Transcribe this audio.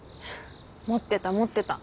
持ってた持ってた。